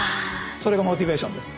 それがモチベーションです。